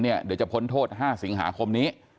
เดี๋ยวจะพ้นโทษ๕สิงหาคมนี้